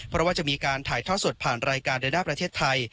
เพราะว่าจะมีการถ่ายท่อสดผ่านรายการเดินหน้าประเทศไทย